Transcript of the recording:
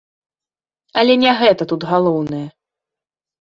Але не гэта тут галоўнае.